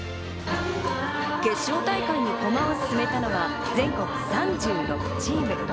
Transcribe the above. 決勝大会に駒を進めたのは全国３６チーム。